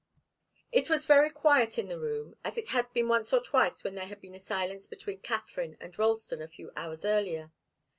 It was very quiet in the room, as it had been once or twice when there had been a silence between Katharine and Ralston a few hours earlier.